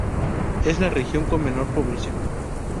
Es la región con menor población.